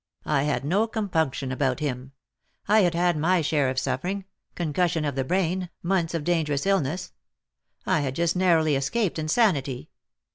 I had no compunction about him. I had had my share of suffering — concussion of the brain, months of dangerous illness. I had just narrowly escaped insanity.